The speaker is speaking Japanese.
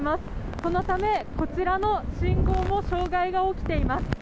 そのため、こちらの信号も障害が起きています。